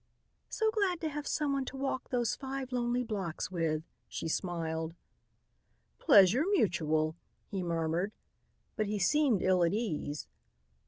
"So glad to have someone to walk those five lonely blocks with," she smiled. "Pleasure mutual," he murmured, but he seemed ill at ease.